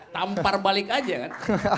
tampar balik aja kan